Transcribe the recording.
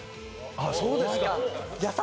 あっそうですか。